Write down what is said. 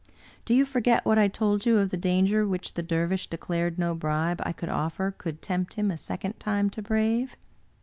Do you forget what I told you of the danger which the Dervish declared no bribe I could offer could tempt him a second time to brave?"